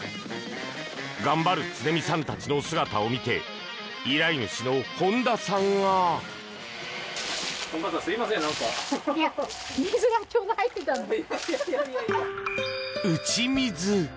頑張る常見さんたちの姿を見て依頼主の本田さんが。打ち水。